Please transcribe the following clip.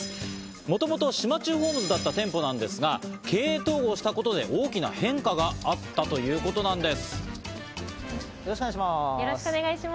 もともと島忠ホームズだった店舗なんですが、経営統合したことで、大きな変化があったということなんです。